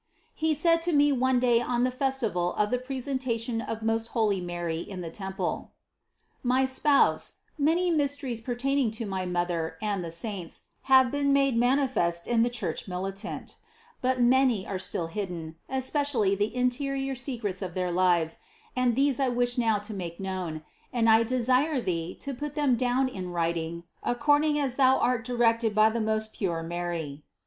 He said to me one day on the festival of the Presentation of most holy Mary in the temple: "My spouse, many mysteries per taining to my Mother and the saints have been made manifest in the Church militant; but many are still hid den, especially the interior secrets of their lives, and these I wish now to make known ; and I desire thee to put them down in writing according as thou art directed by the most pure Mary.